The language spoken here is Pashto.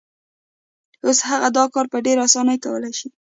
اوس هغه دا کار په ډېرې اسانۍ کولای شي.